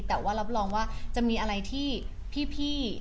แต่ว่ารับรองว่าจะมีอะไรที่พี่